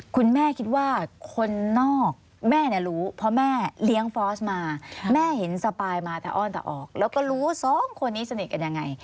คุณแม่คิดว่าคนนอกแม่เนี่ยรู้เพราะแม่เลี้ยงฟอสมาแม่เห็นสปายมาแต่อ้อนแต่ออกแล้วก็รู้สองคนนี้สนิทกันยังไง